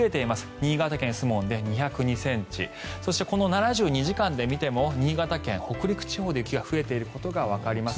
新潟県守門で２０２ｃｍそして、この７２時間で見ても新潟県、北陸地方で雪が増えていることがわかります。